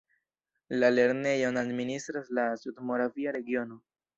La lernejon administras la Sudmoravia regiono.